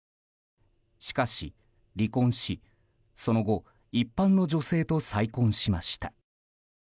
しかし、離婚しその後、一般の女性と再婚しました。